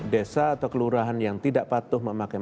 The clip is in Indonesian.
desa atau kelurahan yang tidak patuh memakai